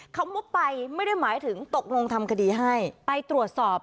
มุบไปไม่ได้หมายถึงตกลงทำคดีให้ไปตรวจสอบ